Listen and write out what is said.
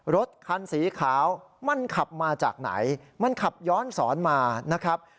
รถคันสีขาวมันขับมาจากไหนมันขับย้อนสอนมานะครับ